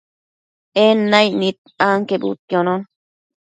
En naicnid anquebudquionon